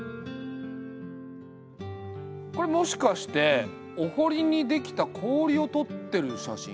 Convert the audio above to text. これもしかしてお堀に出来た氷を取ってる写真？